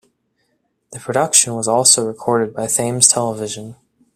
The production was also recorded by Thames Television.